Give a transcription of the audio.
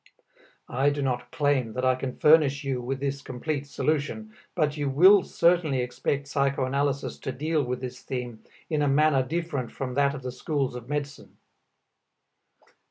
I do not claim that I can furnish you with this complete solution, but you will certainly expect psychoanalysis to deal with this theme in a manner different from that of the schools of medicine.